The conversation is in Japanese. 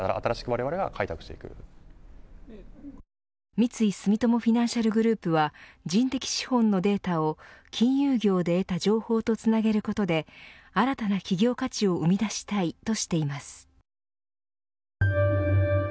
三井住友フィナンシャルグループは人的資本のデータを金融業で得た情報とつなげることで新たな企業価値を生み出したいとしています。